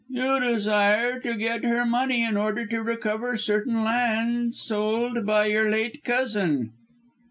"You desire to get her money in order to recover certain lands sold by your late cousin."